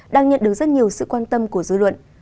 đang nhận được rất nhiều sự quan tâm của dư luận